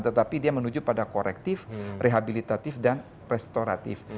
tetapi dia menuju pada korektif rehabilitatif dan restoratif